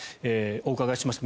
お伺いしました。